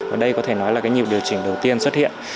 và đây có thể nói là cái nhịp điều chỉnh đầu tiên xuất hiện